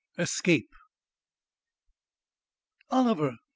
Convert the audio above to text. XXXI ESCAPE "Oliver?